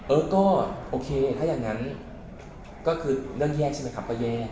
เออก็โอเคถ้าอย่างนั้นก็คือเรื่องแยกใช่ไหมครับป้าแย่